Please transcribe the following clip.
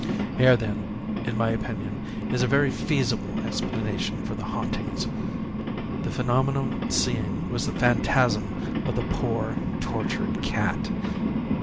Here, then, in my opinion, is a very feasible explanation for the hauntings the phenomenon seen was the phantasm of the poor, tortured cat.